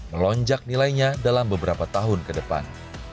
melonjak nilainya dalam beberapa tahun ke depan